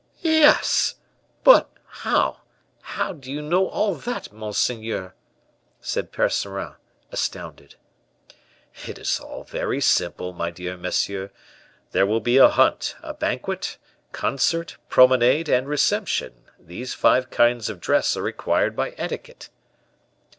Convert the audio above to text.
"Yes; but how do you know all that, monseigneur?" said Percerin, astounded. "It is all very simple, my dear monsieur; there will be a hunt, a banquet, concert, promenade and reception; these five kinds of dress are required by etiquette."